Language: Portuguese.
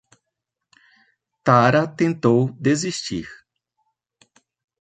Tara tentou desistir.